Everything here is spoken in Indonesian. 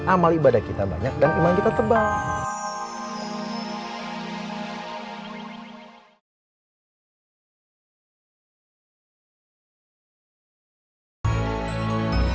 amal ibadah kita banyak dan imam kita tebal